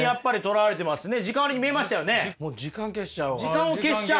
時間を消しちゃう。